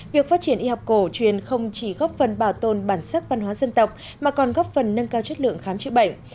việc phát triển y học cổ truyền không chỉ góp phần bảo tồn bản sắc văn hóa dân tộc mà còn góp phần nâng cao chất lượng khám chữa bệnh